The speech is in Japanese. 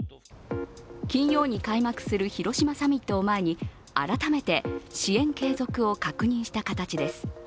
金曜に開幕する広島サミットを前に改めて支援継続を確認した形です。